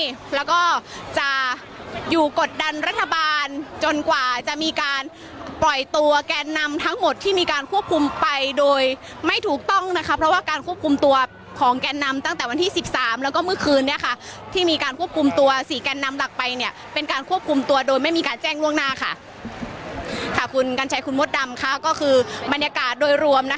แล้วก็จะอยู่กดดันรัฐบาลจนกว่าจะมีการปล่อยตัวแกนนำทั้งหมดที่มีการควบคุมไปโดยไม่ถูกต้องนะคะเพราะว่าการควบคุมตัวของแกนนำตั้งแต่วันที่สิบสามแล้วก็เมื่อคืนเนี้ยค่ะที่มีการควบคุมตัวสี่แกนนำหลักไปเนี่ยเป็นการควบคุมตัวโดยไม่มีการแจ้งล่วงหน้าค่ะค่ะคุณกัญชัยคุณมดดำค่ะก็คือบรรยากาศโดยรวมนะคะ